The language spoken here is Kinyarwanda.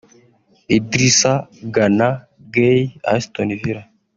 Idrissa Gana Gueye (Aston Villa